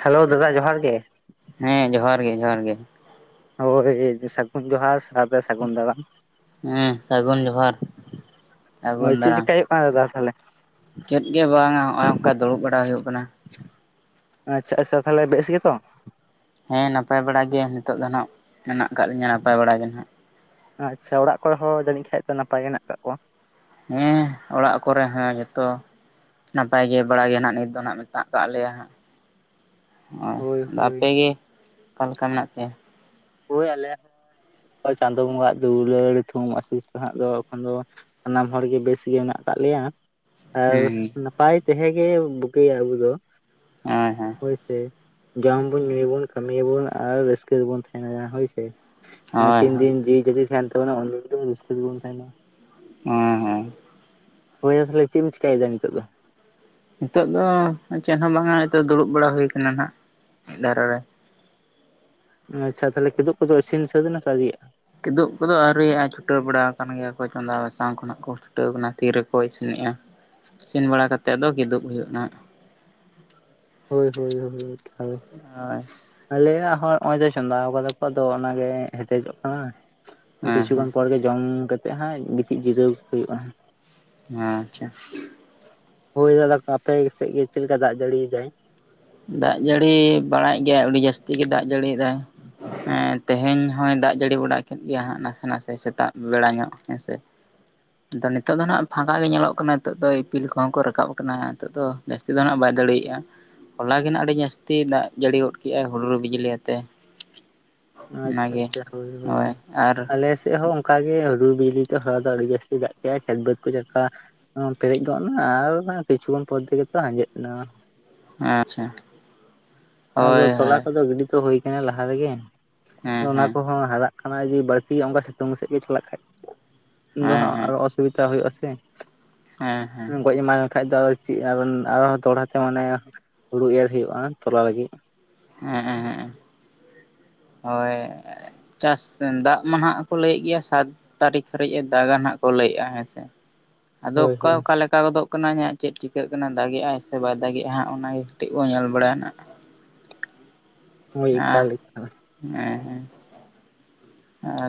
Hello ᱫᱟᱫᱟ ᱡᱚᱦᱟᱨ ᱜᱮ᱾ ᱦᱮᱸ ᱡᱚᱦᱟᱨ ᱜᱮ, ᱡᱚᱦᱟᱨ ᱜᱮ᱾ ᱦᱳᱭ ᱥᱟᱹᱜᱩᱱ ᱡᱚᱦᱟᱨ ᱥᱟᱣᱛᱮ ᱥᱟᱹᱜᱩᱱ ᱫᱟᱟᱨᱟᱢ᱾ ᱦᱮᱸ ᱥᱟᱹᱜᱩᱱ ᱡᱚᱦᱟᱨ ᱦᱳᱭ ᱥᱟᱹᱜᱩᱱ ᱫᱟᱨᱟᱢ᱾ [unintelligible] ᱛᱟᱦᱚᱞᱮ- ᱪᱮᱫ ᱜᱮ ᱵᱟᱝᱟ ᱱᱚᱜᱼᱚᱭ ᱱᱚᱝᱠᱟ ᱫᱩᱲᱩᱵ ᱵᱟᱲᱟ ᱦᱩᱭᱩᱜ ᱠᱟᱱᱟ᱾ ᱟᱪᱪᱷᱟ, ᱟᱪᱪᱷᱟ ᱛᱟᱦᱚᱞᱮ ᱵᱮᱥ ᱜᱮᱛᱚ? ᱦᱮᱸ ᱱᱟᱯᱟᱭ ᱵᱟᱲᱟ ᱜᱮ ᱱᱤᱛᱚᱜ ᱫᱚ ᱱᱟᱦᱟᱜ ᱢᱮᱱᱟᱜ ᱟᱠᱟᱫ ᱞᱤᱧᱟᱹ ᱱᱟᱯᱟᱭ ᱵᱟᱲᱟ ᱜᱮᱸ ᱱᱟᱜ᱾ ᱟᱪᱪᱷᱟ ᱚᱲᱟᱜ ᱠᱚᱨᱮ ᱦᱚᱸ ᱡᱟᱹᱱᱤᱡ ᱠᱷᱟᱡ ᱫᱚ ᱱᱟᱯᱟᱭ ᱜᱮ ᱦᱮᱱᱟᱜ ᱠᱟᱜ ᱠᱚᱣᱟ? ᱦᱮᱸ ᱚᱲᱟᱜ ᱠᱚᱨᱮ ᱦᱚᱸ ᱡᱷᱚᱛᱚ, ᱱᱟᱯᱟᱭ ᱜᱮ ᱵᱟᱲᱟᱜ ᱜᱮ ᱱᱟᱦᱟᱜ ᱱᱤᱛ ᱫᱚ ᱱᱟᱦᱟᱜ ᱢᱮᱛᱟᱜ ᱠᱟᱜ ᱞᱮᱭᱟ ᱦᱟᱜ᱾ ᱚ ᱦᱳᱭ ᱟᱫᱚ ᱦᱳᱭ ᱟᱯᱮᱜ ᱜᱮ ᱚᱠᱟ ᱞᱮᱠᱟ ᱢᱮᱱᱟᱜ ᱯᱮᱣᱟ? ᱦᱳᱭ ᱟᱞᱮ ᱦᱚᱸ ᱱᱤᱛ ᱪᱟᱸᱫᱳ ᱵᱚᱸᱜᱟ ᱟᱜ ᱫᱩᱞᱟᱹᱲ ᱛᱷᱩᱢ ᱟᱥᱤᱥ ᱛᱮ ᱦᱟᱸᱜ ᱫᱚ ᱮᱠᱷᱚᱱ ᱫᱚ ᱥᱟᱱᱟᱢ ᱦᱚᱲ ᱜᱮ ᱵᱮᱥ ᱜᱮ ᱢᱮᱱᱟᱜ ᱟᱠᱟᱫ ᱞᱮᱭᱟ᱾ ᱟᱨ ᱦᱮᱸ ᱱᱟᱯᱟᱭ ᱛᱟᱦᱮᱸ ᱜᱮ ᱵᱩᱜᱤᱭᱟ ᱟᱵᱚ ᱫᱚ᱾ ᱦᱳᱭ ᱥᱮ ᱡᱚᱢ ᱵᱚᱱ ᱧᱩᱭᱟᱵᱚᱱ ᱠᱟᱹᱢᱤᱭᱟᱵᱚᱱ ᱟᱨ ᱨᱟᱹᱥᱠᱟᱹ ᱨᱮᱵᱚᱱ ᱛᱟᱦᱮᱱ ᱦᱳᱭ ᱥᱮ ᱦᱳᱭ ᱛᱤᱱ ᱦᱳᱭ ᱫᱤᱱ ᱡᱤᱣᱤ ᱡᱩᱫᱤ ᱛᱟᱦᱮᱱ ᱛᱟᱵᱚᱱᱟ ᱚᱱ ᱫᱤᱱ ᱫᱚ ᱨᱟᱹᱥᱠᱟᱹ ᱜᱮᱵᱚᱱ ᱛᱟᱦᱮᱱᱟ᱾ [unintelligible] ᱦᱳᱭ ᱭᱟ ᱛᱟᱦᱚᱞᱮ ᱪᱮᱫ ᱮᱢ ᱪᱤᱠᱟᱹᱭᱮᱫᱟ ᱱᱤᱛᱚᱜ ᱫᱚ? ᱱᱤᱛᱚᱜ ᱫᱚ ᱪᱮᱫ ᱦᱚᱸ ᱵᱟᱝᱟ ᱱᱤᱛᱚᱜ ᱫᱩᱲᱩᱵ ᱵᱟᱲᱟ ᱦᱩᱭᱩ ᱟᱠᱟᱱᱟ ᱱᱟᱜ ᱢᱤᱫ ᱫᱷᱟᱨᱮ ᱨᱮ᱾ ᱟᱪᱪᱷᱟ ᱛᱟᱦᱚᱞᱮ ᱠᱤᱫᱩᱜ ᱠᱚᱫᱚ ᱤᱥᱤᱱ ᱥᱟᱹᱫ ᱮᱱᱟ ᱥᱮ ᱟᱣᱨᱤᱭᱟᱜ-ᱟ? ᱠᱤᱫᱩᱵ ᱠᱚᱫᱚ ᱟᱹᱣᱨᱤᱭᱟᱜ-ᱟ ᱪᱷᱩᱴᱟᱹᱣ ᱵᱟᱲᱟ ᱟᱠᱟᱱ ᱜᱮᱭᱟ ᱠᱚ ᱪᱚᱸᱫᱟ ᱵᱟᱥᱟᱝ ᱠᱷᱚᱱᱟᱜ ᱠᱚ ᱪᱷᱩᱴᱟᱹᱣ ᱟᱠᱟᱱᱟ ᱛᱤᱨᱮᱠᱚ ᱤᱥᱤᱱᱮᱜ-ᱟ᱾ ᱤᱥᱤᱱ ᱵᱟᱲᱟ ᱠᱟᱛᱮᱫ ᱫᱚ ᱠᱤᱫᱩᱵ ᱦᱩᱭᱩᱜ-ᱟ ᱱᱟ ᱦᱳᱭ ᱦᱳᱭ [unintelligible] ᱦᱳᱭ ᱟᱞᱮᱭᱟᱜ ᱦᱚ ᱱᱚᱜ ᱚᱭ ᱛᱚ ᱪᱚᱸᱫᱟ ᱟᱠᱟᱫᱟ ᱠᱚ ᱟᱫᱚ ᱚᱱᱟᱜᱮ ᱦᱮᱴᱮᱡᱚᱜ ᱠᱟᱱᱟ᱾ ᱦᱮᱸ ᱠᱤᱪᱷᱩᱜᱟᱱ ᱯᱚᱨ ᱜᱮ ᱡᱚᱢ ᱠᱟᱛᱮᱜ ᱦᱟᱸᱜ ᱜᱤᱛᱤᱡ ᱡᱤᱨᱟᱹᱣ ᱦᱩᱭᱩᱜ-ᱟ᱾ ᱦᱮᱸ ᱟᱪᱪᱷᱟ, ᱦᱳᱭ ᱫᱟᱫᱟ ᱟᱯᱮ ᱥᱮᱫ ᱜᱮ ᱪᱮᱫ ᱞᱮᱠᱟ ᱫᱟᱜ ᱡᱟᱹᱲᱤᱭᱫᱟᱭ? ᱫᱟᱜ ᱡᱟᱹᱲᱤ ᱵᱟᱲᱟᱭᱮᱫ ᱜᱮᱭᱟ ᱟᱹᱰᱤ ᱡᱟᱹᱥᱛᱤ ᱜᱮ ᱫᱟᱜ ᱡᱟᱹᱲᱤᱭᱫᱟᱭ᱾ ᱦᱮᱸ ᱛᱮᱦᱮᱧ ᱦᱚᱭ ᱫᱟᱜ ᱡᱟᱹᱲᱤ ᱵᱟᱲᱟ ᱠᱮᱫ ᱜᱮᱭᱟ ᱦᱟᱸᱜ ᱱᱟᱥᱮ ᱱᱟᱥᱮ ᱥᱮᱛᱟᱜ ᱵᱮᱲᱟ ᱧᱚᱜ ᱦᱮᱸᱥᱮ᱾ ᱟᱫᱚ ᱱᱤᱛᱚᱜ ᱫᱚ ᱱᱟᱟᱜ ᱯᱷᱟᱸᱠᱟ ᱜᱮ ᱧᱮᱞᱚᱜ ᱠᱟᱱᱟ ᱱᱤᱛᱚᱜ ᱫᱚ ᱤᱯᱤᱞ ᱠᱚᱦᱚᱸ ᱠᱚ ᱨᱟᱠᱟᱵ ᱟᱠᱟᱱᱟ ᱱᱤᱛᱚᱜ ᱫᱚ᱾ ᱡᱟᱹᱥᱛᱤ ᱫᱚ ᱱᱟᱦᱟᱜ ᱵᱟᱭ ᱫᱟᱲᱮᱭᱟᱜ-ᱟ᱾ ᱦᱚᱞᱟ ᱜᱮ ᱦᱟᱜ ᱟᱹᱰᱤ ᱡᱟᱹᱥᱛᱤ ᱫᱟᱜ ᱡᱟᱹᱲᱤ ᱜᱚᱫ ᱠᱮᱫᱮᱜ-ᱟᱭ ᱦᱩᱰᱩᱨ ᱵᱤᱡᱽᱞᱤ ᱟᱛᱮ᱾ ᱟᱪᱪᱷᱟ ᱚᱱᱟᱜᱮ ᱟᱪᱪᱷᱟ ᱦᱳᱭ ᱦᱳᱭ ᱟᱞᱮ ᱥᱮᱫ ᱦᱚᱸ ᱚᱱᱠᱟ ᱚᱱᱠᱟᱜᱮ ᱦᱩᱰᱩᱨ ᱵᱤᱡᱽᱞᱤ ᱦᱟᱞᱟ ᱫᱚ ᱟᱹᱰᱤ ᱡᱟᱹᱥᱛᱤ ᱫᱟᱜ ᱠᱮᱫ-ᱟ ᱠᱷᱮᱛ ᱵᱟᱹᱫᱽ ᱠᱚ ᱪᱟᱥ ᱟ ᱾ ᱯᱮᱨᱮᱡ ᱜᱚᱫ ᱮᱱᱟ ᱟᱨ ᱠᱤᱪᱷᱩ ᱠᱷᱚᱱ ᱯᱚᱨᱮ ᱛᱮᱜᱮ ᱛᱚ ᱦᱟᱸᱡᱮᱫ ᱮᱱᱟ᱾ ᱟᱪᱪᱷᱟ, ᱟᱫᱚ ᱦᱳᱭ ᱛᱚᱞᱟ ᱦᱳᱭ ᱠᱚᱫᱚ ᱜᱤᱰᱤ ᱛᱚ ᱦᱚᱭ ᱟᱠᱟᱱᱟ ᱞᱟᱦᱟ ᱨᱮᱜᱮ, ᱟᱨ ᱦᱮᱸ ᱚᱱᱟ ᱦᱮᱸ ᱠᱚᱦᱚᱸ ᱦᱟᱨᱟᱜ ᱠᱟᱱᱟ ᱡᱮ ᱵᱟᱹᱲᱛᱤ ᱚᱱᱠᱟ ᱥᱤᱛᱩᱝ ᱥᱮᱫ ᱜᱮ ᱪᱟᱞᱟᱜ ᱠᱷᱟᱡ ᱫᱚ ᱦᱮᱸ ᱦᱟᱸᱜ ᱦᱮᱸ ᱟᱨᱚᱥ ᱥᱩᱵᱤᱫᱟ ᱦᱩᱭᱩᱜ ᱟ ᱥᱮ ᱦᱮᱸ ᱜᱚᱡ ᱮᱢᱟᱭ ᱠᱷᱟᱡ ᱫᱚ ᱪᱮᱫ ᱟᱨᱚᱸ ᱫᱚᱦᱲᱟ ᱛᱮ ᱢᱟᱱᱮ ᱦᱩᱲᱩ ᱮᱨ ᱦᱩᱭᱩᱜ-ᱟ ᱛᱚᱞᱟ ᱞᱟᱹᱜᱤᱫ᱾ ᱦᱮᱸᱸ ᱦᱮᱸ ᱦᱳᱭ᱾ ᱪᱟᱥ ᱫᱟᱜ ᱢᱟ ᱱᱟᱜ ᱠᱚ ᱞᱟᱹᱭᱮᱫ ᱜᱮᱭᱟ ᱥᱟᱛ ᱛᱟᱹᱨᱤᱠᱷ ᱦᱟᱹᱨᱤᱡ ᱫᱟᱜ-ᱟ ᱦᱟᱸᱜ ᱠᱚ ᱞᱟᱹᱭᱮᱫ-ᱟ ᱦᱮᱸᱥᱮ᱾ [unintelligible] ᱟᱫᱚ ᱚᱠᱟ ᱦᱳᱭ ᱚᱠᱟᱞ ᱟᱠᱟ ᱜᱚᱫᱚᱜ ᱠᱟᱱᱟ ᱦᱟᱜ ᱪᱮᱫ ᱪᱤᱠᱟᱹᱜ ᱠᱟᱱᱟ ᱫᱟᱜᱤᱟᱭ ᱥᱮ ᱵᱟᱭ ᱫᱟᱜᱮᱜ-ᱟ ᱚᱱᱟᱜᱮ ᱠᱟᱹᱴᱤᱡ ᱵᱚᱱ ᱧᱮᱞ ᱵᱟᱲᱟᱭᱟ ᱱᱟᱜ ᱦᱚᱭ ᱟᱸ ᱮᱠᱟᱞ ᱮᱠᱟᱞ, ᱦᱮᱸ ᱦᱮᱸ᱾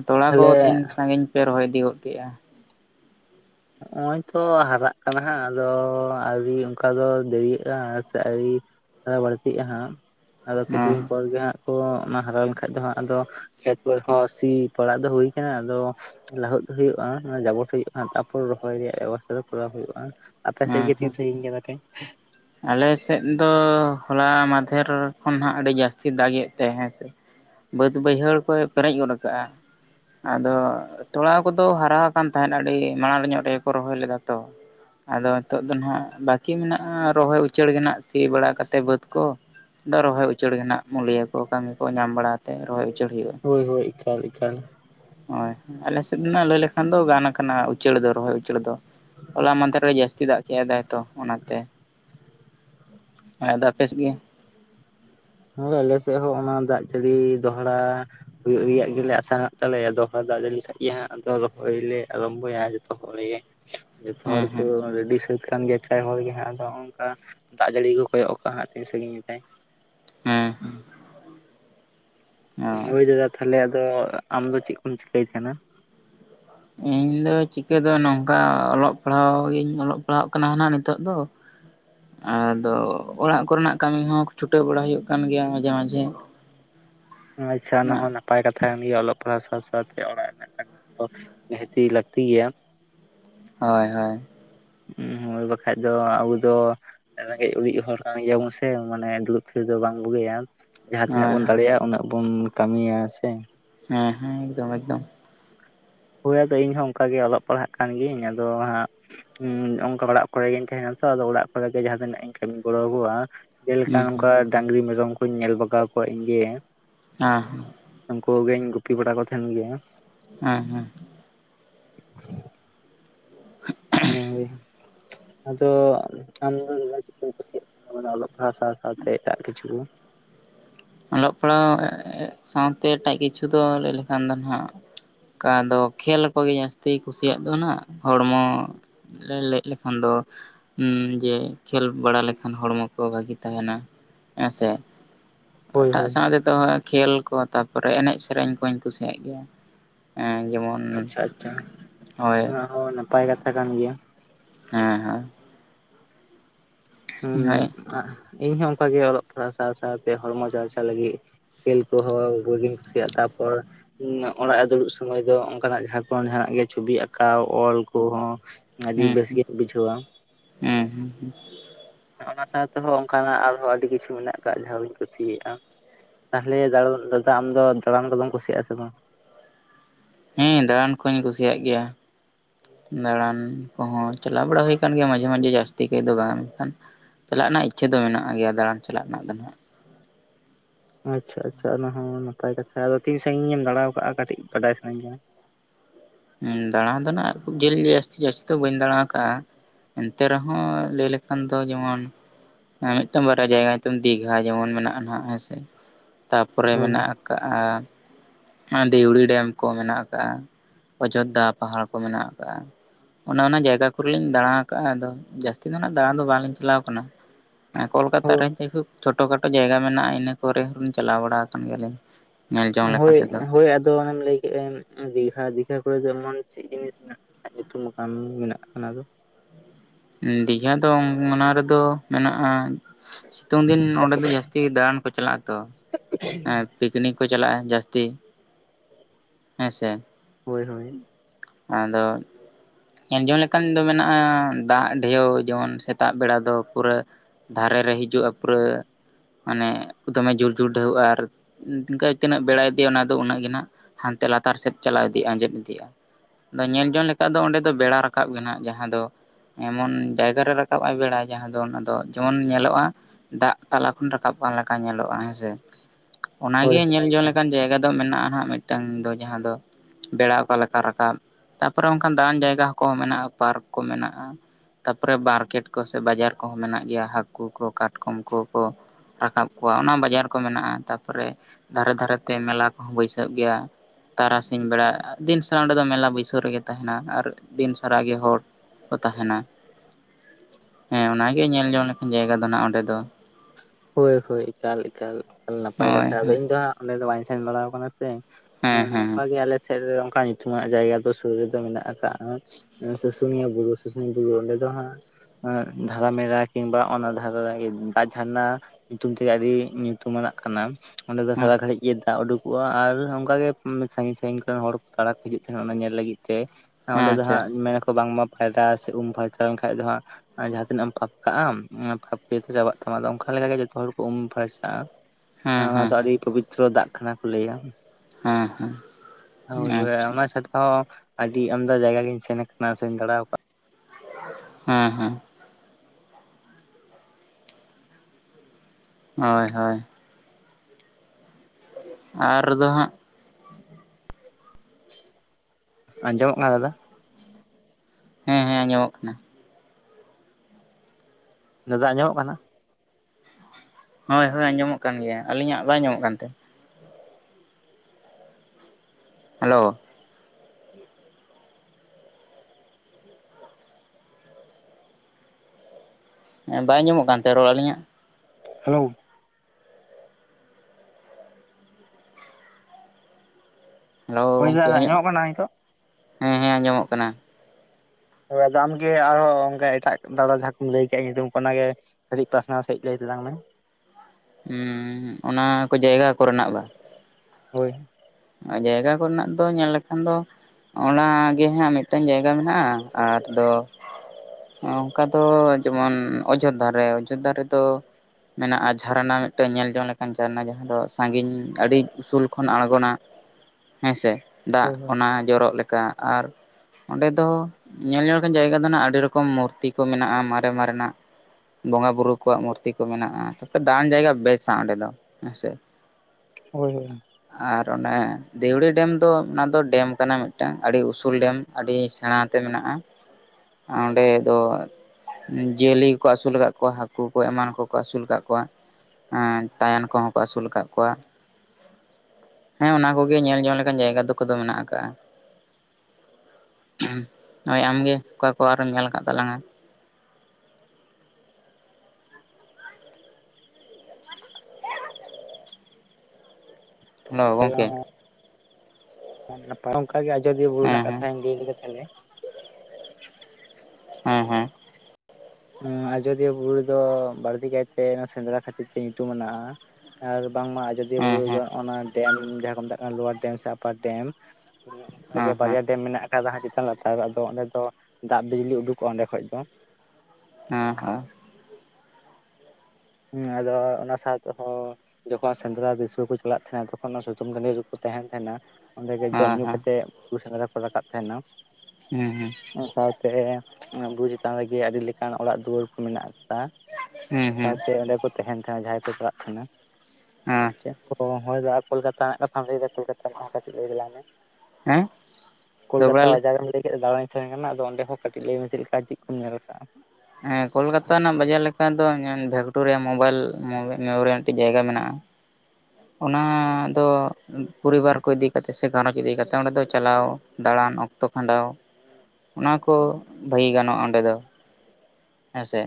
ᱛᱚᱲᱟ ᱠᱚ ᱛᱟᱦᱞᱮ ᱛᱤᱱ ᱥᱟᱺᱜᱤᱧ ᱯᱮ ᱨᱚᱦᱚᱭ ᱤᱫᱤ ᱜᱚᱫ ᱠᱮᱜ-ᱟ? ᱱᱚᱜᱼᱚᱭ ᱛᱚ ᱦᱟᱨᱟᱜ ᱠᱟᱱᱟ ᱦᱟᱸᱜ ᱟᱫᱚ ᱟᱹᱣᱨᱤ ᱚᱱᱠᱟ ᱫᱚ ᱫᱟᱹᱨᱭᱟᱹᱜ-ᱟ ᱥᱮ ᱟᱹᱣᱨᱤ, ᱵᱟᱹᱲᱛᱤᱜ-ᱟ ᱦᱟᱸᱜ ᱟᱫᱚ ᱠᱤᱪᱷᱩ ᱫᱤᱱ ᱦᱮᱸ ᱯᱚᱨ ᱜᱮ ᱦᱟᱸᱜ ᱚᱱᱟ ᱦᱟᱨᱟ ᱞᱮᱱᱠᱷᱟᱡ ᱫᱚ ᱦᱟᱜ ᱟᱫᱚ ᱠᱷᱮᱛ ᱠᱚᱨᱮ ᱦᱚᱸ ᱥᱤ ᱯᱟᱲᱟᱜ ᱫᱚ ᱦᱩᱭ ᱠᱟᱱᱟ ᱟᱫᱚ ᱞᱟᱹᱦᱩᱫ ᱦᱩᱭᱩᱜ-ᱟ ᱚᱱᱟ ᱡᱟᱵᱚᱴ ᱦᱩᱭᱩᱜ-ᱟ ᱛᱟᱯ ᱯᱚᱨ ᱨᱚᱦᱚᱭ ᱨᱮᱭᱟᱜ ᱵᱮᱵᱚᱥᱛᱷᱟ ᱫᱚ ᱠᱚᱨᱟᱣ ᱦᱩᱭᱩᱜ-ᱟ ᱟᱯᱮᱥᱮᱫ ᱦᱮᱸ ᱜᱮ ᱛᱤᱧ ᱦᱮᱸ ᱥᱟᱺᱜᱤᱧ ᱠᱮᱫᱟᱯᱮ᱾ ᱟᱞᱮ ᱥᱮᱫ ᱫᱚ ᱦᱚᱞᱟ ᱢᱟᱫᱷᱮᱨ ᱠᱷᱚᱱ ᱦᱟᱸᱜ ᱟᱹᱰᱤ ᱡᱟᱹᱥᱛᱤ ᱫᱟᱜᱮᱫ ᱛᱮ ᱦᱮᱸ ᱥᱮ ᱵᱟᱹᱫ ᱵᱟᱹᱭᱦᱟᱹᱲ ᱠᱚᱭ ᱯᱮᱨᱮᱡ ᱜᱚᱫ ᱠᱟᱫᱟᱜ-ᱟ᱾ ᱟᱫᱚ ᱛᱚᱲᱟ ᱠᱚᱫᱚ ᱦᱟᱨᱟ ᱟᱠᱟᱱ ᱛᱟᱦᱮᱸᱫ ᱟᱹᱰᱤ ᱢᱟᱲᱟᱝ ᱧᱚᱜ ᱨᱮᱜᱮ ᱠᱚ ᱨᱚᱦᱚᱭ ᱞᱮᱫᱟ ᱛᱚ᱾ ᱟᱫᱚ ᱱᱤᱛᱚᱜ ᱫᱚ ᱦᱟᱜ ᱵᱟᱠᱤ ᱢᱮᱱᱟᱜ-ᱟ ᱨᱚᱦᱚᱭ ᱩᱪᱟᱹᱲ ᱜᱮ ᱱᱟᱦᱟᱜ, ᱥᱤ ᱵᱟᱲᱟ ᱠᱟᱛᱮ ᱵᱟᱹᱫᱽ ᱠᱚ ᱟᱫᱚ ᱨᱚᱦᱚᱭ ᱩᱪᱟᱹᱲ ᱜᱮ ᱱᱟᱦᱟᱜ ᱢᱩᱞᱤᱭᱟᱹ ᱠᱚ ᱠᱟᱹᱢᱤ ᱠᱚ ᱧᱟᱢ ᱵᱟᱲᱟ ᱠᱟᱛᱮ ᱨᱚᱦᱚᱭ ᱩᱪᱟᱹᱲ ᱦᱩᱭᱩᱜ-ᱟ᱾ ᱦᱳᱭ ᱦᱳᱭ ᱮᱠᱟᱞ ᱮᱠᱟᱞ᱾ ᱦᱳᱭ ᱟᱞᱮ ᱥᱮᱫ ᱨᱮᱱᱟᱜ ᱞᱟᱹᱭ ᱞᱮᱠᱷᱟᱱ ᱫᱚ ᱜᱟᱱ ᱠᱟᱱᱟ ᱩᱪᱟᱹᱲ ᱫᱚ ᱨᱚᱦᱚᱭ ᱩᱪᱟᱹᱲ ᱫᱚ᱾ ᱦᱚᱞᱟ ᱢᱟᱫᱷᱮᱨ ᱟᱨᱦᱚᱸ ᱡᱟᱹᱥᱛᱤ ᱫᱟᱜ ᱠᱮᱫ-ᱟᱭ ᱛᱚ ᱚᱱᱟᱛᱮ᱾ ᱦᱮᱸ ᱟᱫᱚ ᱟᱯᱮᱥᱮᱫ ᱜᱮ? ᱦᱚᱭ ᱟᱞᱮᱥᱮᱫ ᱦᱚᱸ ᱚᱱᱟ ᱫᱟᱜ ᱡᱟᱲᱤ ᱫᱚᱦᱲᱟ ᱦᱩᱭᱩᱜ ᱨᱮᱭᱟᱜ ᱜᱮᱞᱮ ᱟᱥᱟ ᱦᱟᱜ ᱛᱟᱞᱮ ᱟᱨ ᱫᱚᱦᱲᱟ ᱫᱟᱜ ᱡᱟᱹᱲᱤ ᱞᱮᱠᱷᱟᱡ ᱜᱮ ᱦᱟᱸᱜ ᱟᱫᱚ ᱨᱚᱦᱚᱭ ᱞᱮ ᱟᱨᱢᱵᱷᱚᱭᱟ ᱡᱚᱛᱚ ᱠᱚᱜᱮ ᱦᱚᱲᱜᱮ᱾ ᱡᱚᱛᱚ ᱦᱚᱲ ᱦᱮᱸ ᱠᱚ ᱦᱮᱸ ᱨᱮᱰᱤ ᱥᱟᱹ ᱥᱟᱹᱛ ᱠᱷᱟᱱ ᱜᱮ ᱠᱟᱭ ᱦᱚᱲᱜᱮ ᱦᱟᱸᱜ ᱟᱫᱚ ᱦᱚᱸᱜ-ᱚ ᱱᱚᱝᱠᱟ ᱫᱟᱜ ᱡᱟᱹᱲᱤ ᱜᱮᱠᱚ ᱠᱚᱭᱚᱜ ᱠᱟᱜᱼᱟ ᱦᱟᱸᱜ ᱛᱤᱱ ᱥᱟᱺᱜᱤᱧ ᱫᱟᱭ? ᱦᱮᱸ ᱦᱳᱭ ᱫᱟᱫᱟ ᱛᱟᱦᱚᱞᱮ ᱟᱫᱚ ᱟᱢ ᱫᱚ ᱪᱮᱫ ᱠᱚᱢ ᱪᱤᱠᱟᱹᱭ ᱛᱟᱦᱮᱸᱱᱟ? ᱤᱧ ᱫᱚ ᱪᱤᱠᱟᱹ ᱫᱚ ᱱᱚᱝᱠᱟ ᱚᱞᱚᱜ ᱯᱟᱲᱦᱟᱣ ᱜᱤᱧ ᱚᱞᱚᱜ ᱯᱟᱲᱦᱟᱚᱜ ᱠᱟᱱᱟ ᱦᱟᱸᱜ ᱱᱟᱜ ᱱᱤᱛᱚᱜ ᱫᱚ᱾ ᱟᱫᱚ ᱚᱲᱟᱜ ᱠᱚᱨᱮᱱᱟᱜ ᱠᱟᱹᱢᱤ ᱦᱚᱸ ᱪᱷᱩᱴᱟᱹᱣ ᱵᱟᱲᱟ ᱦᱩᱭᱩᱜ ᱠᱟᱱ ᱜᱮᱭᱟ ᱢᱟᱸᱡᱷᱮ ᱢᱟᱸᱡᱷᱮ, ᱟᱪᱪᱷᱟ ᱚᱱᱟ ᱦᱚᱸ ᱱᱟᱯ ᱯᱟᱭ ᱠᱟᱛᱷᱟ ᱠᱟᱱ ᱜᱮᱭᱟ ᱚᱞᱚᱜ ᱯᱟᱲᱦᱟᱣ ᱥᱟᱶ ᱥᱟᱶᱛᱮ ᱚᱲᱟᱜ ᱨᱮᱱᱟᱜ ᱴᱟᱠᱟ ᱠᱚ ᱱᱤᱦᱟᱹᱛᱤ ᱞᱟᱹᱠᱛᱤ ᱜᱮᱭᱟ᱾ ᱦᱚᱭ ᱦᱚᱭ ᱦᱩᱸ ᱦᱳᱭ ᱵᱟᱠᱷᱟᱡ ᱫᱚ ᱟᱵᱚ ᱫᱚ ᱨᱮᱸᱜᱮᱡ ᱩᱨᱤᱡ ᱦᱚᱲ ᱠᱟᱱ ᱜᱮᱭᱟᱵᱚᱱ ᱥᱮ ᱢᱟᱱᱮ ᱫᱩᱲᱩᱵ ᱛᱷᱤᱨ ᱫᱚ ᱵᱟᱝ ᱵᱩᱜᱤᱭᱟ᱾ ᱡᱟᱦᱟᱸ ᱛᱤᱱᱟᱹᱜ ᱦᱳᱭ ᱵᱚᱱ ᱦᱳᱭ ᱫᱟᱲᱮᱭᱟᱜᱼᱟ, ᱩᱱᱟᱹᱜ ᱵᱚᱱ ᱠᱟᱹᱢᱤᱭᱟ ᱥᱮ᱾ ᱦᱮᱸ ᱦᱮᱸ ᱮᱠᱫᱚᱢ ᱮᱠᱫᱚᱢ ᱦᱳᱭ ᱟᱫᱚ ᱤᱧ ᱦᱚᱸ ᱚᱱᱠᱟᱜᱮ ᱚᱞᱚᱜ ᱯᱟᱲᱦᱟᱜ ᱠᱟᱱ ᱜᱤᱭᱟᱹᱧ ᱟᱫᱚ ᱦᱟᱸᱜ ᱦᱩᱸ ᱚᱱᱠᱟ ᱚᱲᱟᱜ ᱠᱚᱨᱮ ᱜᱤᱧ ᱛᱟᱦᱮᱸᱱᱟ ᱛᱚ ᱟᱫᱚ ᱚᱲᱟᱜ ᱠᱚᱨᱮᱜ ᱡᱟᱦᱟᱸ ᱛᱤᱱᱟᱹᱜ ᱤᱧ ᱠᱟᱹᱢᱤ ᱜᱚᱲᱚᱣᱟᱠᱚᱣᱟ᱾ ᱡᱮᱞᱮᱠᱟ ᱦᱩᱸ ᱦᱩᱸ ᱱᱚᱝᱠᱟ ᱰᱟᱝᱨᱤ ᱢᱮᱨᱚᱢ ᱠᱚᱧ ᱧᱮᱞ ᱵᱟᱜᱟᱣ ᱠᱚᱣᱟ ᱤᱧ ᱜᱮ᱾ ᱦᱟᱸ ᱩᱱᱠᱩ ᱜᱤᱧ ᱜᱩᱯᱤ ᱵᱟᱲᱟ ᱠᱚ ᱛᱟᱦᱮᱱ ᱜᱮᱭᱟ᱾ ᱦᱢ ᱦᱢ [inaudible] [inaudible] ᱚᱱᱟᱜᱮ ᱟᱫᱚ ᱟᱢᱫᱚ ᱤᱱᱟᱹᱝ ᱪᱮᱫᱠᱚᱢ ᱠᱩᱥᱤᱭᱟᱜ ᱛᱟᱦᱮᱸᱱᱟ ᱚᱞᱚᱜ ᱯᱟᱲᱦᱟᱜ ᱥᱟᱶ ᱥᱟᱶᱛᱮ ᱮᱴᱟᱜ ᱠᱤᱪᱷᱩ, ᱚᱞᱚᱜ ᱯᱟᱲᱦᱟᱣ ᱥᱟᱶᱛᱮ ᱮᱴᱟᱜ ᱠᱤᱪᱷᱩ ᱫᱚ ᱞᱟᱹᱭ ᱞᱮᱠᱷᱟᱱ ᱫᱚ ᱱᱟᱦᱟᱸᱜ ᱚᱱᱠᱟᱫᱚ ᱠᱷᱮᱞ ᱠᱚᱜᱮ ᱡᱟᱹᱥᱛᱤ ᱠᱩᱥᱤᱭᱟᱜ ᱫᱚ ᱱᱟᱜ ᱦᱚᱲᱢᱚ ᱞᱮ ᱞᱮᱡ ᱞᱮᱠᱷᱟᱱ ᱫᱚ ᱦᱩᱸ ᱡᱮ ᱠᱷᱮᱞ ᱵᱟᱲᱟ ᱞᱮᱠᱷᱟᱱ ᱦᱚᱲᱢᱚ ᱠᱚ ᱵᱷᱟᱹᱜᱤ ᱛᱟᱦᱮᱱᱟ ᱦᱮᱸ ᱥᱮ᱾ ᱦᱳᱭ ᱮᱴᱟᱜ ᱦᱳᱭ ᱥᱟᱶᱛᱮ ᱛᱚ ᱦᱚᱜ-ᱚᱭ ᱠᱷᱮᱞ ᱠᱚ ᱛᱟᱯᱚᱨᱮ ᱮᱱᱮᱡ ᱥᱮᱨᱮᱧ ᱠᱚᱧ ᱠᱩᱥᱤᱭᱟᱜ ᱜᱮᱭᱟ ᱡᱮᱢᱚᱱ ᱟᱪᱪᱷᱟ ᱟᱪᱪᱷᱟ, ᱦᱳᱭ ᱚᱱᱟ ᱦᱚᱸ ᱱᱟᱯᱟᱭ ᱠᱟᱛᱷᱟ ᱠᱟᱱ ᱜᱮᱭᱟ᱾ ᱦᱮᱸ ᱦᱚᱭ ᱦᱢ ᱦᱳᱭ ᱤᱧᱦᱚᱸ ᱚᱱᱠᱟᱜᱮ ᱚᱞᱚᱜ ᱯᱟᱲᱦᱟᱜ ᱥᱟᱶ ᱥᱟᱶᱛᱮ ᱦᱚᱲᱢᱚ ᱪᱟᱨᱪᱟᱣ ᱞᱟᱹᱜᱤᱫ ᱠᱷᱮᱹᱞ ᱠᱚᱦᱚᱸ ᱜᱟᱹᱡᱤᱧ ᱠᱩᱥᱤᱭᱟᱜᱼᱟ ᱛᱟᱯᱚᱨ᱾ ᱚᱲᱟᱜ ᱨᱮ ᱫᱩᱲᱩᱵ ᱥᱚᱢᱚᱭ ᱫᱚ ᱚᱝᱠᱟᱱᱟᱜ ᱡᱟᱦᱟᱸ ᱠᱚ ᱡᱟᱸᱦᱟᱱᱟᱜ ᱜᱮ ᱪᱷᱚᱵᱤ ᱟᱸᱠᱟᱣ ᱚᱞ ᱠᱚᱦᱚᱸ᱾ ᱟᱹᱰᱤ ᱵᱮᱥ ᱜᱮᱧ ᱵᱩᱡᱷᱟᱹᱣᱟ᱾ ᱩᱸ, ᱦᱩᱸ ᱦᱩᱸ᱾ ᱚᱱᱟ ᱥᱟᱶᱛᱮᱦᱚᱸ ᱚᱝᱠᱟᱱᱟᱜ ᱟᱨᱦᱚᱸ ᱟᱹᱰᱤ ᱠᱤᱪᱷᱩ ᱢᱮᱱᱟᱜ ᱠᱟᱜ ᱡᱟᱦᱟᱸ ᱫᱚᱧ ᱠᱩᱥᱤᱭᱟᱜ-ᱟ᱾ ᱛᱟᱦᱞᱮ ᱫᱟᱬᱚ ᱫᱟᱫᱟ ᱟᱢ ᱫᱚ ᱫᱟᱬᱟᱱ ᱠᱚᱫᱚᱢ ᱠᱩᱥᱤᱭᱟᱜ-ᱟ ᱥᱮ ᱵᱟᱝ? ᱦᱩᱸ, ᱫᱟᱬᱟᱱ ᱠᱚ ᱦᱚᱧ ᱠᱩᱥᱤᱭᱟᱜ ᱜᱮᱭᱟ᱾ ᱫᱟᱬᱟᱱ ᱠᱚᱦᱚᱸ ᱪᱟᱞᱟᱣ ᱵᱟᱲᱟ ᱦᱩᱭ ᱠᱟᱱ ᱜᱮᱭᱟ ᱢᱟᱡᱷᱮ ᱢᱟᱡᱷᱮ ᱡᱟᱹᱥᱛᱤ ᱠᱟᱭ ᱫᱚ ᱵᱟᱝ ᱢᱮᱱᱠᱷᱟᱱ᱾ ᱪᱟᱞᱟᱜ ᱨᱮᱱᱟᱜ ᱤᱪᱪᱷᱟᱹ ᱫᱚ ᱢᱮᱱᱟᱜ ᱜᱮᱭᱟ ᱫᱟᱬᱟᱱ ᱪᱟᱞᱟᱜ ᱨᱮᱱᱟᱜ ᱫᱚ ᱱᱟᱦᱟᱜ᱾ ᱟᱪᱪᱷᱟ ᱟᱪᱪᱷᱟ ᱚᱱᱟᱦᱚᱸ ᱱᱟᱯᱟᱭ ᱠᱟᱛᱷᱟ ᱟᱫᱚ ᱛᱤᱧ ᱥᱟᱺᱜᱤᱧᱮᱢ ᱫᱟᱟᱲᱟᱣ ᱠᱟᱜ-ᱟ ᱠᱟᱹᱴᱤᱡ ᱵᱟᱰᱟᱭ ᱥᱟᱱᱟᱹᱧ ᱠᱟᱱᱟ᱾ ᱦᱩᱸ, ᱫᱟᱬᱟ ᱫᱚ ᱱᱟᱦᱟᱜ ᱠᱷᱩᱵ ᱡᱷᱟᱹᱞ ᱡᱟᱹᱥᱛᱤ, ᱡᱟᱹᱥᱛᱤ ᱫᱚ ᱵᱟᱹᱧ ᱫᱟᱸᱬᱟ ᱠᱟᱜᱼᱟ᱾ ᱮᱱᱛᱮ ᱨᱮᱦᱚᱸ ᱞᱟᱹᱭ ᱞᱮᱠᱷᱟᱱ ᱫᱚ ᱡᱮᱢᱚᱱ ᱮᱸ ᱢᱤᱫᱴᱟᱝ ᱵᱟᱨᱭᱟ ᱡᱟᱭᱜᱟ ᱧᱩᱛᱩᱢ ᱫᱤᱜᱷᱟ ᱡᱮᱢᱚᱱ ᱢᱮᱱᱟᱜ-ᱟ ᱱᱟᱜ ᱦᱮᱸ ᱥᱮ᱾ ᱛᱟᱯᱚᱨᱮ ᱢᱮᱱᱟᱜ ᱟᱠᱟᱜ-ᱟ ᱫᱤᱣᱲᱤ ᱰᱮᱢ ᱠᱚ ᱢᱮᱱᱟᱜ ᱟᱠᱟᱜ-ᱟ, ᱚᱡᱳᱫᱽᱫᱷᱟ ᱯᱟᱦᱟᱲ ᱠᱚ ᱢᱮᱱᱟᱜ ᱟᱠᱟᱜ-ᱟ᱾ ᱚᱱᱮ ᱚᱱᱟ ᱡᱟᱭᱜᱟ ᱠᱚᱨᱮᱞᱤᱧ ᱫᱟᱬᱟ ᱟᱠᱟᱫᱼᱟ ᱟᱫᱚ ᱡᱟᱹᱥᱛᱤ ᱫᱚ ᱦᱟᱜ ᱫᱟᱬᱟ ᱫᱚ ᱵᱟᱝᱞᱤᱧ ᱪᱟᱞᱟᱣ ᱠᱟᱱᱟ᱾ ᱦᱮᱸ, ᱠᱳᱞᱠᱟᱛᱟ ᱦᱳᱭ ᱨᱮ ᱡᱟᱭᱦᱳᱠ, ᱪᱷᱳᱴᱳ ᱠᱷᱟᱴᱳ ᱡᱟᱭᱜᱟ ᱢᱮᱱᱟᱜ-ᱟ ᱤᱱᱟᱹ ᱠᱚᱨᱮ ᱦᱚᱞᱤᱧ ᱪᱟᱞᱟᱣ ᱵᱟᱲᱟ ᱟᱠᱟᱱ ᱜᱮᱭᱟ ᱟᱞᱤᱧ᱾ ᱧᱮᱞ ᱡᱚᱝ ᱞᱮᱠ ᱦᱳᱭ ᱦᱳᱭ ᱟᱫᱚ ᱚᱱᱮᱢ ᱞᱟᱹᱭ ᱠᱮᱜ-ᱮᱢ᱾ ᱫᱤᱜᱷᱟ ᱫᱤᱜᱷᱟ ᱠᱚᱨᱮ ᱡᱮᱢᱚᱱ ᱪᱮᱫ ᱡᱤᱱᱤᱥ ᱢᱮᱱᱟᱜ ᱧᱩᱛᱩᱢ ᱠᱟᱱ ᱢᱮᱱᱟᱜ ᱚᱱᱟᱫᱚ? ᱫᱤᱜᱷᱟ ᱫᱚ ᱚᱱᱟ ᱨᱮᱫᱚ ᱢᱮᱱᱟᱜ-ᱟ ᱥᱤᱛᱩᱝ ᱫᱤᱱ ᱚᱸᱰᱮ ᱫᱚ ᱡᱟᱹᱥᱛᱤ ᱫᱟᱬᱟᱱ ᱠᱚ ᱪᱟᱞᱟᱜ-ᱟ ᱛᱚ᱾ ᱮᱸᱫ ᱯᱤᱡᱱᱤᱠ ᱠᱚ ᱪᱟᱞᱟᱜ-ᱟ ᱡᱟᱹᱥᱛᱤ᱾ ᱦᱮᱸ ᱥᱮ᱾ ᱦᱳᱭ ᱦᱳᱭ᱾ ᱟᱫᱚ ᱧᱮᱞᱡᱚᱝ ᱞᱮᱠᱟᱱ ᱫᱚ ᱢᱮᱱᱟᱜ-ᱟ ᱫᱟᱜ ᱰᱷᱮᱹᱣ ᱡᱮᱢᱚᱱ ᱥᱮᱛᱟᱜ ᱵᱮᱲᱟ ᱫᱚ ᱯᱩᱨᱟᱹ᱾ ᱫᱷᱟᱨᱮ ᱨᱮ ᱦᱤᱡᱩᱜ-ᱟ ᱯᱩᱨᱟᱹ᱾ ᱢᱟᱱᱮ ᱫᱚᱢᱮ ᱡᱳᱨ ᱡᱳᱨ ᱰᱟᱹᱣᱚᱜ-ᱟ ᱟᱨ ᱛᱤᱱᱟᱹᱜ ᱵᱮᱲᱟ ᱤᱫᱤ-ᱟᱭ ᱚᱱᱟ ᱫᱚ ᱩᱱᱟᱹᱜ ᱜᱮ ᱱᱟᱜ ᱦᱟᱱᱛᱮ ᱞᱟᱛᱟᱨ ᱥᱮᱫ ᱪᱟᱞᱟᱣ ᱤᱫᱤᱜ-ᱟ, ᱟᱸᱡᱮᱫ ᱤᱫᱤᱜ-ᱟ᱾ ᱟᱫᱚ ᱧᱮᱞ ᱡᱚᱝ ᱞᱮᱠᱟ ᱫᱚ ᱚᱸᱰᱮ ᱫᱚ ᱵᱮᱲᱟ ᱨᱟᱠᱟᱵ ᱜᱮ ᱱᱟᱜ ᱡᱟᱦᱟᱸ ᱫᱚ ᱮᱢᱚᱱ ᱡᱟᱭᱜᱟ ᱨᱮ ᱨᱟᱠᱟᱵ ᱟᱭ ᱵᱮᱲᱟ ᱡᱟᱦᱟᱸ ᱫᱚ ᱚᱱᱟᱫᱚ ᱡᱮᱢᱚᱱ ᱧᱮᱞᱚᱜ-ᱟ ᱫᱟᱜ ᱛᱟᱞᱟ ᱠᱷᱚᱱ ᱨᱟᱠᱟᱵ ᱠᱟᱱ ᱞᱮᱠᱟ ᱧᱮᱞᱚᱜ-ᱟ ᱦᱮᱸ ᱥᱮ᱾ ᱦᱳᱭ ᱚᱱᱟᱜᱮ ᱧᱮᱞᱡᱚᱝ ᱞᱮᱠᱟᱱ ᱡᱟᱭᱜᱟ ᱫᱚ ᱢᱮᱱᱟᱜ-ᱟ ᱦᱟᱸᱜ ᱢᱤᱫᱴᱟᱝ ᱫᱚ ᱡᱟᱦᱟᱸ ᱫᱚ ᱵᱮᱲᱟ᱾ ᱚᱠᱟ ᱞᱮᱠᱟ ᱨᱟᱠᱟᱵ᱾ ᱛᱟᱯᱚᱨᱮ ᱚᱝᱠᱟᱱ ᱫᱟᱬᱟᱱ ᱡᱟᱭᱜᱟ ᱠᱚᱦᱚᱸ ᱢᱮᱱᱟᱜ-ᱟ, ᱯᱟᱨᱠ ᱠᱚ ᱢᱮᱱᱟᱜ-ᱟ᱾ ᱛᱟᱯᱚᱨᱮ ᱢᱟᱨᱠᱮᱴ ᱠᱚ ᱥᱮ ᱵᱟᱡᱟᱨ ᱠᱚᱦᱚᱸ ᱢᱮᱱᱟᱜ ᱜᱮᱭᱟ ᱦᱟᱹᱠᱩ ᱠᱚ ᱠᱟᱴᱠᱚᱢ ᱠᱚ ᱠᱚ᱾ ᱨᱟᱠᱟᱵ ᱠᱚᱣᱟ ᱚᱱᱟ ᱵᱟᱡᱟᱨ ᱠᱚ ᱢᱮᱱᱟᱜ-ᱟ ᱛᱟᱯᱚᱨᱮ ᱫᱷᱟᱨᱮ ᱫᱷᱟᱨᱮ ᱛᱮ ᱢᱮᱞᱟ ᱠᱚᱦᱚᱸ ᱵᱟᱹᱭᱥᱟᱹᱜ ᱜᱮᱭᱟ᱾ ᱛᱟᱨᱟᱥᱤᱧ ᱵᱮᱲᱟ᱾ ᱫᱤᱱ ᱥᱟᱨᱟ ᱚᱸᱰᱮ ᱫᱚ ᱢᱮᱞᱟ ᱵᱟᱹᱭᱥᱟᱹᱣ ᱨᱮᱜᱮ ᱛᱟᱸᱦᱮᱱᱟ ᱟᱨ ᱫᱤᱱ ᱥᱟᱨᱟ ᱜᱮ ᱦᱚᱲ ᱠᱚ ᱛᱟᱸᱦᱮᱱᱟ᱾ ᱦᱮᱸ ᱚᱱᱟᱜᱮ ᱧᱮᱞ ᱡᱚᱝ ᱞᱮᱠᱟᱱ ᱡᱟᱭᱜᱟ ᱫᱚ ᱱᱟᱜ ᱚᱸᱰᱮ ᱫᱚ᱾ ᱦᱳᱭ ᱦᱳᱭ, ᱮᱠᱟᱞ ᱮᱠᱟᱞ, ᱮᱠᱟᱞ ᱱᱟᱯᱟᱭ ᱦᱳᱭ ᱠᱟᱛᱷᱟ ᱟᱫᱚ ᱦᱳᱭ ᱤᱧ ᱫᱚ ᱦᱟᱸᱜ ᱚᱸᱰᱮ ᱫᱚ ᱵᱟᱹᱧ ᱥᱮᱱ ᱵᱟᱲᱟ ᱟᱠᱟᱱᱟ ᱥᱮ᱾ ᱦᱮᱸ ᱦᱮᱸ ᱱᱚᱝᱠᱟ ᱜᱮ ᱟᱞᱮ ᱥᱮᱫ ᱨᱮ ᱚᱱᱠᱟ ᱧᱩᱛᱩᱢᱟᱜ ᱡᱟᱭᱜᱟ ᱫᱚ ᱥᱩᱨ ᱨᱮᱫᱚ ᱢᱮᱱᱟᱜ ᱟᱠᱟᱜ-ᱟ᱾ ᱥᱩᱥᱩᱱᱤᱭᱟᱹ ᱵᱩᱨᱩ, ᱥᱩᱥᱩᱱᱤᱭᱟᱹ ᱵᱩᱨᱩ ᱚᱸᱰᱮ ᱫᱚ ᱦᱟᱸᱜ ᱫᱷᱟᱨᱟ ᱢᱮᱞᱟ ᱠᱤᱢᱵᱟ ᱚᱱᱟ ᱫᱷᱟᱨᱮ ᱨᱮ ᱫᱟᱜ ᱡᱷᱟᱨᱱᱟ᱾ ᱧᱩᱛᱩᱢ ᱛᱮᱜᱮ ᱟᱹᱰᱤ ᱧᱩᱛᱩᱢᱟᱱᱟᱜ ᱠᱟᱱᱟ, ᱚᱸᱰᱮ ᱫᱚ ᱥᱟᱨᱟ ᱦᱮᱸ ᱜᱷᱟᱹᱲᱤᱡ ᱜᱮ ᱫᱟᱜ ᱩᱰᱩᱠ ᱠᱚᱜ-ᱟ ᱟᱨ ᱚᱝᱠᱟᱟᱜᱮ ᱥᱟᱺᱜᱤᱧ ᱥᱟᱹᱜᱤᱧ ᱠᱚᱨᱮᱱ ᱦᱚᱲ ᱛᱟᱲᱟᱠ ᱦᱤᱡᱩᱜ ᱛᱟᱸᱦᱮᱱ ᱚᱱᱟ ᱧᱮᱞ ᱞᱟᱹᱜᱤᱫ ᱛᱮ᱾ ᱟᱸ, ᱚᱸᱰᱮ ᱫᱚ ᱟᱪᱪᱷᱟ ᱦᱟᱸᱜ ᱢᱮᱱᱟᱠᱚ ᱵᱟᱝᱢᱟ ᱯᱷᱟᱨᱪᱟ ᱥᱮ ᱩᱢ ᱯᱷᱟᱨᱪᱟ ᱞᱮᱱ ᱠᱷᱟᱡ ᱫᱚ ᱦᱟᱸᱜ ᱟᱨ ᱡᱟᱦᱟᱸ ᱛᱤᱱᱟᱹᱜ ᱮᱢ ᱯᱷᱟᱯ ᱠᱟᱜ-ᱟᱢ, ᱚᱱᱟ ᱯᱟᱯᱠᱚ ᱡᱚᱛᱚ ᱪᱟᱵᱟᱜ ᱛᱟᱢᱟ᱾ ᱟᱫᱚ ᱚᱝᱠᱟ ᱚᱝᱠᱟ ᱞᱮᱠᱟᱜᱮ ᱡᱚᱛᱚ ᱦᱚᱲ ᱠᱚ ᱩᱢ ᱯᱷᱟᱨᱪᱟᱜ-ᱟ, ᱦᱮᱸ ᱦᱮᱸ ᱚᱱᱟ ᱫᱚ ᱦᱮᱸ ᱟᱹᱰᱤ ᱯᱚᱵᱤᱛᱨᱚ ᱫᱟᱜ ᱠᱟᱱᱟ ᱠᱚ ᱞᱟᱹᱭᱟ᱾ ᱦᱮᱸ ᱦᱮᱸ ᱦᱳᱭ ᱦᱳᱭ ᱟᱨ ᱟᱪᱪᱷᱟ [unintelligible] ᱟᱹᱰᱤ ᱟᱢᱫᱟ ᱡᱟᱭᱜᱟ ᱜᱤᱧ ᱥᱮᱱ ᱟᱠᱟᱱᱟ ᱥᱮᱧ ᱫᱟᱲᱟ ᱟᱠᱟᱫᱟ᱾ ᱦᱮᱸ ᱦᱮᱸ ᱦᱳᱭ ᱦᱳᱭ ᱟᱨ ᱫᱚ ᱦᱟᱸᱜ ᱟᱸᱡᱚᱢᱚᱜ ᱠᱟᱱᱟ ᱫᱟᱫᱟ? ᱦᱮᱸ ᱦᱮᱸ ᱟᱸᱡᱚᱢᱚᱜ ᱠᱟᱱᱟ᱾ ᱫᱟᱫᱟ ᱟᱸᱧᱚᱢᱚᱜ ᱠᱟᱱᱟ? ᱦᱳᱭ ᱦᱳᱭ ᱟᱸᱡᱚᱢᱚᱜ ᱠᱟᱱ ᱜᱮᱭᱟ᱾ ᱟᱹᱞᱤᱧᱟᱜ ᱵᱟᱭ ᱟᱸᱡᱚᱢᱚᱜ ᱠᱟᱱ ᱛᱮ? ᱦᱮᱞᱳ ᱦᱮᱸ ᱵᱟᱭ ᱟᱸᱡᱚᱢᱚᱜ ᱠᱟᱱ ᱛᱮ ᱨᱚᱲ ᱟᱹᱞᱤᱧᱟᱜ? ᱦᱮᱞᱳ ᱦᱮᱞᱳ ᱦᱳᱭ ᱜᱚᱢᱠᱮ ᱫᱟᱫᱟ ᱤᱧᱟᱹ ᱟᱸᱡᱚᱢᱚᱜ ᱠᱟᱱᱟ ᱱᱤᱛᱚᱜ ᱦᱮᱸ ᱦᱮᱸ ᱟᱸᱡᱚᱢᱚᱜ ᱠᱟᱱᱟ᱾ ᱦᱳᱭ ᱟᱫᱚ ᱟᱢᱜᱮ ᱟᱨᱦᱚᱸ ᱚᱱᱠᱟ ᱮᱴᱟᱜ ᱫᱟᱫᱟ ᱡᱟᱦᱟᱸ ᱠᱚᱢ ᱞᱟᱹᱭ ᱠᱮᱜ ᱧᱩᱛᱩᱢ ᱠᱚ ᱚᱱᱟᱜᱮ ᱠᱟᱹᱴᱤᱡ ᱯᱟᱥᱱᱟᱣ ᱥᱟᱹᱦᱤᱡ ᱞᱟᱹᱭ ᱛᱟᱞᱟᱝ ᱢᱮ᱾ ᱦᱸᱻ ᱚᱱᱟ ᱠᱚ ᱡᱟᱭᱜᱟ ᱠᱚᱨᱮᱱᱟᱜ ᱵᱟᱝ? ᱦᱳᱭ ᱡᱟᱭᱜᱟ ᱠᱚᱨᱮᱱᱟᱜ ᱫᱚ ᱧᱮᱞ ᱞᱮᱠᱷᱟᱱ ᱫᱚ ᱚᱱᱟᱻᱜᱮ ᱦᱟᱸᱜ ᱢᱤᱫᱴᱟᱝ ᱡᱟᱭᱜᱟ ᱢᱮᱱᱟᱜᱼᱟ ᱟᱨᱫᱚ ᱚᱱᱠᱟ ᱫᱚ ᱡᱮᱢᱚᱱ ᱚᱡᱳᱫᱫᱟ ᱨᱮ ᱚᱡᱳᱫᱫᱟ ᱨᱮᱫᱚ ᱢᱮᱱᱟᱜᱼᱟ ᱡᱷᱟᱨᱱᱟ ᱢᱤᱫᱴᱟᱝ ᱧᱮᱞ ᱡᱚᱝ ᱞᱮᱠᱟᱱ ᱡᱷᱟᱨᱱᱟ ᱡᱟᱦᱟᱸ ᱫᱚ ᱥᱟᱺᱜᱤᱧ ᱟᱹᱰᱤᱡ ᱩᱥᱩᱞ ᱠᱷᱚᱱ ᱟᱬᱜᱚᱱᱟ᱾ ᱦᱮᱸᱥᱮ ᱫᱟᱜ ᱦᱳᱭ ᱦᱳᱭ ᱚᱱᱟ ᱡᱚᱨᱚᱜ ᱞᱮᱠᱟ ᱟᱨ ᱚᱸᱰᱮ ᱫᱚ ᱧᱮᱞ ᱡᱚᱝ ᱞᱮᱠᱟᱱ ᱡᱟᱭᱜᱟ ᱫᱚ ᱱᱟᱜ ᱟᱹᱰᱤ ᱨᱚᱠᱚᱢ ᱢᱩᱨᱛᱤ ᱠᱚ ᱢᱮᱱᱟᱜᱼᱟ ᱢᱟᱨᱮ ᱢᱟᱨᱮᱱᱟᱜ᱾ ᱵᱚᱸᱜᱟ ᱵᱩᱨᱩ ᱠᱚᱣᱟᱜ ᱢᱩᱨᱛᱤ ᱠᱚ ᱢᱮᱱᱟᱜᱼᱟ ᱛᱟᱯᱮ ᱫᱟᱬᱟᱱ ᱡᱟᱭᱜᱟ ᱵᱮᱥᱟ ᱚᱸᱰᱮ ᱫᱚ ᱦᱮᱸ ᱥᱮ᱾ ᱦᱳᱭ ᱦᱳᱭ ᱟᱨ ᱚᱱᱮ ᱫᱤᱣᱲᱤ ᱰᱮᱢ ᱫᱚ ᱚᱱᱟ ᱫᱚ ᱰᱮᱢ ᱠᱟᱱᱟ ᱢᱤᱫᱴᱟᱝ ᱟᱹᱰᱤ ᱩᱥᱩᱞ ᱰᱮᱢ ᱟᱹᱰᱤ ᱥᱮᱬᱟ ᱛᱮ ᱢᱮᱱᱟᱜᱼᱟ ᱚᱸᱰᱮ ᱫᱚ ᱡᱤᱭᱟᱹᱞᱤ ᱟᱹᱥᱩᱞ ᱟᱠᱟᱜ ᱠᱚᱣᱟ ᱦᱟᱠᱩ ᱠᱚ ᱮᱢᱟᱱ ᱠᱚᱠᱚ ᱟᱹᱥᱩᱞ ᱠᱟᱜ ᱠᱚᱣᱟ᱾ ᱟᱸᱛᱟᱭᱟᱱ ᱠᱚᱦᱚᱸ ᱠᱚ ᱟᱹᱥᱩᱞ ᱠᱟᱜ ᱠᱚᱣᱟ᱾ ᱦᱮᱸ ᱚᱱᱟ ᱠᱚᱜᱮ ᱧᱮᱞ ᱡᱚᱝ ᱞᱮᱠᱟᱱ ᱡᱟᱭᱜᱟ ᱫᱚᱠᱚᱫᱚ ᱢᱮᱱᱟᱜ ᱟᱠᱟᱜ-ᱟ᱾ ᱦᱩᱸᱼᱦᱚᱭ ᱟᱢᱜᱮ ᱚᱠᱟ ᱠᱚ ᱟᱨᱮᱢ ᱧᱮᱞ ᱟᱠᱟᱫ ᱛᱟᱞᱟᱝᱟ? ᱦᱮᱞᱳ ᱜᱚᱝᱠᱮ ᱮᱸ ᱯᱟᱨᱚᱢ ᱠᱟᱜ ᱟᱡᱚᱫᱤᱭᱟᱹ ᱦᱮᱸ ᱦᱮᱸ ᱦᱮᱸ ᱦᱮᱸ ᱦᱮᱸ ᱦᱮᱸ ᱦᱮᱸ ᱦᱮᱸ ᱦᱮᱸ ᱦᱮᱸ ᱦᱮᱸ ᱦᱮᱸ ᱦᱩᱸ ᱦᱩᱸ ᱵᱩᱨᱩ ᱨᱮᱱᱟᱜ ᱠᱟᱛᱷᱟᱧ ᱞᱟᱹᱭ ᱞᱮᱜᱮ ᱛᱟᱞᱦᱮ᱾ ᱦᱮᱸ- ᱦᱮᱸ ᱟᱡᱚᱫᱤᱭᱟᱹ ᱵᱩᱨᱩ ᱨᱮᱫᱚ ᱵᱟᱹᱲᱛᱤ ᱠᱟᱭᱛᱮ ᱥᱮᱸᱫᱽᱨᱟ ᱠᱷᱟᱹᱛᱤᱨ ᱛᱮ ᱧᱩᱛᱩᱢ ᱢᱮᱱᱟᱜ - ᱟ᱾ ᱟᱨ ᱵᱟᱝᱢᱟ ᱟᱡᱳᱫᱤᱭᱟᱹ ᱵᱩᱨᱩ ᱨᱮ ᱫᱚ ᱚᱱᱟ ᱰᱮᱢ ᱡᱟᱦᱟᱸ ᱠᱚ ᱢᱮᱛᱟᱜ ᱠᱟᱱᱟ ᱞᱳᱣᱟᱨ ᱰᱮᱢ ᱥᱮ ᱟᱯᱟᱨ ᱰᱮᱢ ᱦᱮᱸᱱᱟᱜ, ᱚᱝᱠᱟ ᱜᱮ ᱵᱟᱨᱭᱟ ᱰᱮᱢ ᱢᱮᱱᱟᱜ ᱠᱟᱫᱟ ᱪᱮᱛᱟᱱ ᱞᱟᱛᱟᱨ ᱟᱫᱚ ᱚᱸᱰᱮ ᱫᱚ ᱫᱟᱜ ᱵᱤᱡᱽᱞᱤ ᱩᱰᱩᱠᱚᱜᱼᱟ ᱚᱸᱰᱮ ᱠᱷᱚᱡ ᱫᱚ, ᱦᱮᱸ ᱟ ᱦᱩᱸ ᱟᱫᱚ ᱚᱱᱟ ᱥᱟᱶ ᱛᱮᱦᱚᱸ ᱡᱚᱠᱷᱚᱱ ᱥᱮᱸᱫᱽᱨᱟ ᱫᱤᱥᱣᱟᱹ ᱠᱚ ᱪᱟᱞᱟᱜ ᱛᱟᱸᱦᱮᱱᱟ ᱛᱚᱠᱷᱚᱱ ᱚᱱᱟ ᱥᱩᱛᱟᱢ ᱴᱟᱺᱰᱤ ᱨᱮᱠᱚ ᱛᱟᱦᱮᱱ ᱛᱟᱦᱮᱸᱱᱟ, ᱚᱸᱰᱮᱜᱮ ᱡᱚᱢ ᱧᱩ ᱠᱟᱛᱮᱜ ᱥᱮᱸᱫᱽᱨᱟ ᱠᱩ ᱥᱮᱸᱫᱽᱨᱟ ᱠᱚ ᱨᱟᱠᱟᱵ ᱛᱟᱸᱦᱮᱱᱟ, ᱦᱩᱸ ᱦᱩᱸ᱾ ᱮᱸᱜ ᱥᱟᱶᱛᱮ ᱵᱩᱨᱩ ᱪᱮᱛᱟᱱ ᱨᱮᱜᱮ ᱟᱹᱰᱤᱞᱮᱠᱟᱱ ᱚᱲᱟᱜ ᱫᱩᱣᱟᱹᱨ ᱠᱚ ᱢᱮᱱᱟᱜ ᱟ ᱦᱩᱸ ᱦᱩᱸ ᱥᱟᱶᱛᱮ ᱚᱸᱰᱮ ᱠᱚ ᱛᱟᱸᱦᱮᱱ ᱛᱟᱸᱦᱮᱱᱟ ᱡᱟᱦᱟᱸᱭ ᱠᱚ ᱪᱟᱞᱟᱜ ᱛᱟᱸᱦᱮᱱᱟ᱾ ᱦᱮᱸ ᱪᱷᱟ᱾ ᱚ ᱦᱳᱭ ᱫᱚ ᱟᱨ ᱠᱳᱞᱠᱟᱛᱟ ᱨᱮᱱᱟᱜ ᱠᱟᱛᱷᱟᱢ ᱞᱟᱹᱭᱫᱟ ᱠᱳᱞᱠᱟᱛᱟ ᱨᱮᱱᱟᱜ ᱦᱚᱸ ᱠᱟᱹᱴᱤᱡ ᱞᱟᱹᱭ ᱜᱮᱞᱟᱭ ᱢᱮ᱾ ᱦᱮᱸ ᱫᱚᱵᱲᱟ ᱠᱳᱞᱠᱟᱛᱟ ᱞᱮ ᱵᱟᱡᱟᱨ ᱫᱟᱲᱟᱱ ᱞᱟᱹᱭ ᱠᱮᱜ ᱫᱚ ᱫᱟᱲᱟᱱ ᱟᱹᱧ ᱛᱟᱦᱮᱸ ᱠᱟᱱᱟ ᱟᱫᱚ ᱚᱸᱰᱮ ᱦᱚᱸ ᱠᱟᱹᱴᱤᱡ ᱞᱟᱹᱭ ᱢᱮ ᱪᱮᱜᱠᱟ ᱪᱮᱫ ᱠᱚᱢ ᱧᱮᱞ ᱠᱟᱜᱼᱟ? ᱦᱮᱸ ᱠᱳᱞᱠᱟᱛᱟ ᱨᱮᱱᱟᱜ ᱵᱟᱡᱟᱨ ᱞᱮᱠᱟ ᱫᱚ ᱵᱷᱮᱠᱫᱳᱨᱤᱭᱟ ᱢᱳᱵᱟᱭᱤᱞ ᱱᱮᱣᱨᱩ ᱨᱮᱭᱟᱜ ᱢᱤᱫᱴᱮᱱ ᱡᱟᱭᱜᱟ ᱢᱮᱱᱟᱜᱼᱟ᱾ ᱚᱱᱟ ᱫᱚ ᱯᱚᱨᱤᱵᱟᱨ ᱠᱚ ᱤᱫᱤ ᱠᱟᱛᱮ ᱥᱮ ᱜᱷᱟᱨᱚᱸᱡ ᱤᱫᱤ ᱠᱟᱛᱮ ᱚᱸᱰᱮ ᱫᱚ ᱪᱟᱞᱟᱣ ᱫᱟᱬᱟᱱ ᱚᱠᱛᱚ ᱠᱷᱟᱸᱰᱟᱣ ᱚᱱᱟ ᱠᱚ ᱵᱷᱟᱹᱜᱤ ᱜᱟᱱᱚᱜᱼᱟ ᱚᱸᱰᱮ ᱫᱚᱼᱼ ᱦᱮᱸ ᱥᱮ,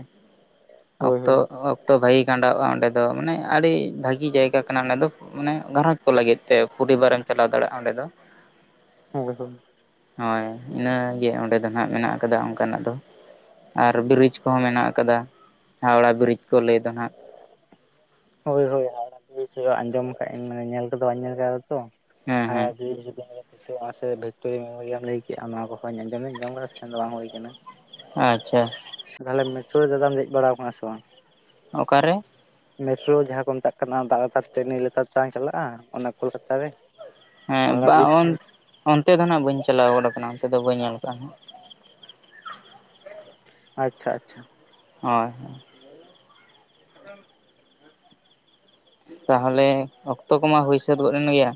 ᱦᱳᱭ ᱚᱠᱛᱚ ᱦᱳᱭ ᱚᱠᱼᱼ ᱛᱚ ᱵᱷᱟᱹᱜᱤ ᱠᱷᱟᱸᱰᱟᱣᱼᱟ ᱚᱸᱰᱮ ᱫᱚ ᱢᱟᱱᱮ ᱟᱹᱰᱤ ᱵᱷᱟᱹᱜᱤ ᱡᱟᱭᱜᱟ ᱠᱟᱱᱟ ᱚᱸᱰᱮ ᱫᱚ ᱢᱟᱱᱮ ᱜᱷᱟᱨᱚᱸᱡᱽᱼᱼ ᱠᱚ ᱞᱟᱹᱜᱤᱫ ᱛᱮ ᱯᱚᱨᱤᱵᱟᱨᱮᱢ ᱪᱟᱞᱟᱣ ᱫᱟᱲᱮᱭᱟᱜᱼᱟ ᱚᱸᱰᱮ ᱫᱚ ᱦᱳᱭ - ᱦᱳᱭ ᱦᱳᱭ ᱤᱱᱟᱹ ᱜᱮ ᱚᱸᱰᱮ ᱫᱚ ᱱᱷᱟᱜ ᱢᱮᱱᱟᱜ ᱟᱠᱟᱫᱟ ᱚᱱᱠᱟᱱᱟᱜ ᱫᱚ ᱟᱨ ᱵᱨᱤᱡᱽ ᱠᱚᱦᱚᱸ ᱢᱮᱱᱟᱜ ᱟᱠᱟᱫᱟ ᱦᱟᱣᱲᱟ ᱵᱨᱤᱡ ᱠᱚ ᱞᱟᱹᱭ ᱫᱚ ᱱᱷᱟᱜ ᱦᱳᱭ ᱦᱳᱭ ᱦᱟᱣᱲᱟ ᱵᱨᱤᱪ ᱟᱸᱡᱚᱢ ᱠᱟᱜ ᱟᱧ ᱧᱮᱞ ᱠᱚᱫᱚ ᱵᱟᱹᱧ ᱧᱮᱞ ᱠᱟᱫᱟ ᱛᱚ ᱦᱮᱸ [unintelligible] ᱥᱮ ᱚᱱᱟ ᱥᱮ ᱵᱷᱤᱠᱴᱳᱨᱤᱭᱟ [unintelligible] ᱞᱟᱹᱭ ᱠᱮᱫᱼᱟ ᱱᱚᱣᱟ ᱠᱚᱦᱚᱸ ᱟᱸᱡᱚᱢ ᱫᱚᱧ ᱟᱸᱡᱚᱢ ᱟᱠᱟᱫᱟ ᱥᱮᱱ ᱫᱚ ᱵᱟᱝ ᱦᱩᱭ ᱟᱠᱟᱱᱟ ᱟᱪᱪᱷᱟ ᱛᱟᱦᱞᱮ ᱢᱮᱴᱨᱚ ᱨᱮ ᱫᱟᱫᱟᱢ ᱫᱮᱡ ᱵᱟᱲᱟᱣ ᱠᱟᱱᱟ ᱥᱮ ᱵᱟᱝ ᱚᱠᱟ ᱨᱮᱼᱼ ᱢᱮᱴᱨᱳ ᱡᱟᱦᱟᱸ ᱠᱚ ᱢᱮᱛᱟᱜ ᱠᱟᱱᱟ ᱫᱟᱜ ᱞᱟᱛᱟᱨ ᱛᱮ ᱱᱤᱭᱟᱹ ᱞᱟᱛᱟᱨ ᱛᱮ ᱵᱟᱝ ᱪᱟᱞᱟᱜᱼᱟ ᱚᱱᱮ ᱠᱳᱞᱠᱟᱛᱟ ᱨᱮᱼᱼ ᱦᱮᱸ ᱵᱟᱝ ᱩᱱ ᱚᱱᱛᱮ ᱫᱚ ᱱᱟᱦᱟᱜ ᱵᱟᱹᱧ ᱪᱟᱞᱟᱣ ᱜᱚᱫ ᱟᱠᱟᱱᱟ ᱚᱱᱛᱮ ᱫᱚ ᱵᱟᱹᱧ ᱧᱮᱞ ᱟᱠᱟᱫᱟᱼᱟ ᱦᱟᱜ ᱟᱪᱪᱷᱟ ᱟᱪᱪᱷᱟ ᱦᱳᱭ ᱟᱡᱚᱢ ᱢᱮ ᱛᱟᱦᱚᱞᱮ ᱚᱠᱛᱚ ᱠᱚᱢᱟ ᱦᱩᱭ ᱥᱟᱹᱛ ᱜᱚᱫ ᱮᱱ ᱜᱮᱭᱟ